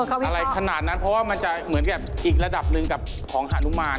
อะไรขนาดนั้นเพราะว่ามันจะเหมือนกับอีกระดับหนึ่งกับของฮานุมาน